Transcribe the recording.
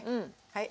はい。